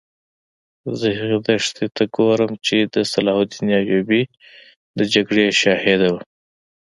زه هغې دښتې ته ګورم چې د صلاح الدین ایوبي د جګړې شاهده وه.